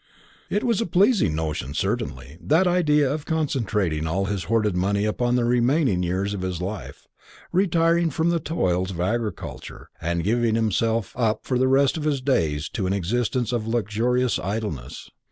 It was a pleasing notion certainly, that idea of concentrating all his hoarded money upon the remaining years of his life retiring from the toils of agriculture, and giving himself up for the rest of his days to an existence of luxurious idleness.